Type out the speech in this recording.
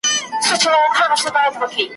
له عمرونو په دې کور کي هستېدله `